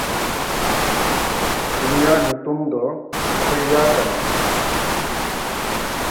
ᱩᱱᱤᱭᱟᱜ ᱧᱩᱛᱩᱢ ᱫᱚ ᱠᱷᱚᱤᱭᱟ ᱠᱟᱱᱟ᱾